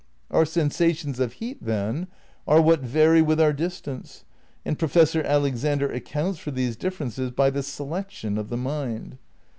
Our sensations of heat, then, are what vary with our distance and Professor Alexander accounts for these differences by the "selection" of the mind.